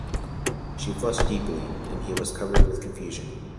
She flushed deeply, and he was covered with confusion.